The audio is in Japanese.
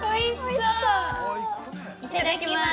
いただきます。